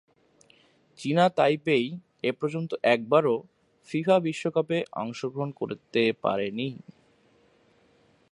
চীনা তাইপেই এপর্যন্ত একবারও ফিফা বিশ্বকাপে অংশগ্রহণ করতে পারেনি।